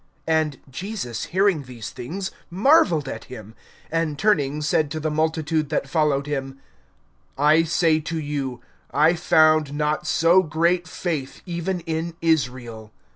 (9)And Jesus hearing these things, marveled at him; and turning said to the multitude that followed him: I say to you, I found not so great faith, even in Israel.